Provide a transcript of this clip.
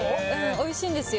おいしいんですよ